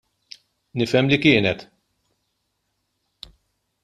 Nifhem li kienet.